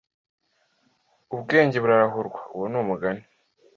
ubwenge burarahurwa uwo ni umugani